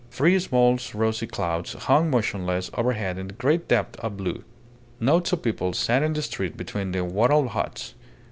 Three small rosy clouds hung motionless overhead in the great depth of blue. Knots of people sat in the street between the wattled huts.